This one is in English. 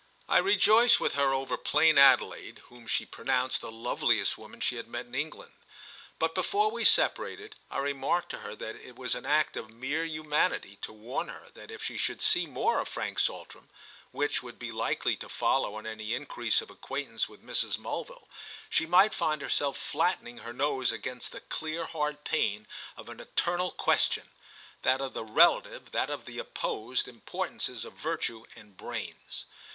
I rejoiced with her over plain Adelaide, whom she pronounced the loveliest woman she had met in England; but before we separated I remarked to her that it was an act of mere humanity to warn her that if she should see more of Frank Saltram—which would be likely to follow on any increase of acquaintance with Mrs. Mulville—she might find herself flattening her nose against the clear hard pane of an eternal question—that of the relative, that of the opposed, importances of virtue and brains.